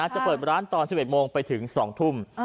จะเปิดร้านตอน๑๑โมงไปถึง๒ทุ่ม